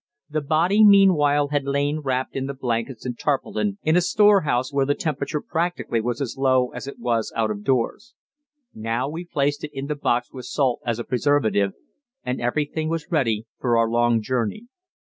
The body meanwhile had lain wrapped in the blankets and tarpaulin in a storehouse where the temperature practically was as low as it was out of doors. Now we placed it in the box with salt as a preservative, and everything was ready for our long journey.